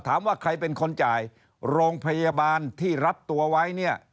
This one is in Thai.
ถามว่าใครเป็นคนจ่ายโรงพยาบาลที่รับตัวไว้เนี่ย